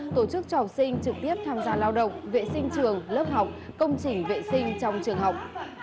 tổ chức cho học sinh trực tiếp tham gia lao động vệ sinh trường lớp học công trình vệ sinh trong trường học